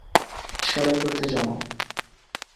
সেলাই করিতে জান।